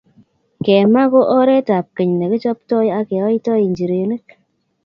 kemai ko oretab keny ne kichoptoi ake oitoi nchirenik .